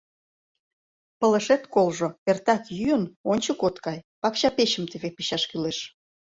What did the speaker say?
— Пылышет колжо, эртак йӱын, ончык от кай, пакча печым теве печаш кӱлеш...